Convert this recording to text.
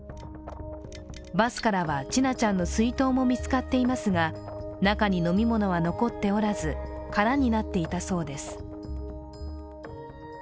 バスからは千奈ちゃんの水筒も見つかっていますが、中に飲み物は残っておらず、空になっていたそうです。